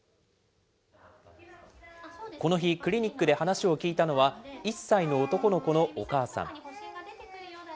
この日、クリニックで話を聞いたのは、１歳の男の子のお母さん。